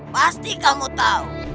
pasti kamu tahu